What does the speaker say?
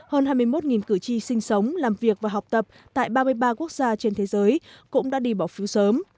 hơn hai mươi một cử tri sinh sống làm việc và học tập tại ba mươi ba quốc gia trên thế giới cũng đã đi bỏ phiếu sớm